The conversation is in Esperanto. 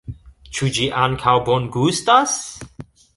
Ĉu ĝi ankaŭ bongustas?